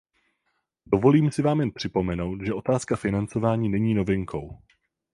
Dovolím si vám jen připomenout, že otázka financování není novinkou.